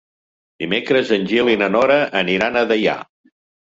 Dimecres en Gil i na Nora aniran a Deià.